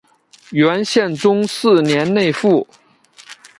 元宪宗四年内附。